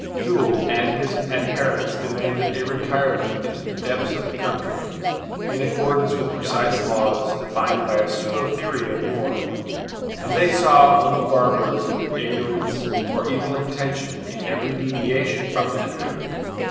Pfuel and his adherents demanded a retirement into the depths of the country in accordance with precise laws defined by a pseudo theory of war, and they saw only barbarism, ignorance, or evil intention in every deviation from that theory.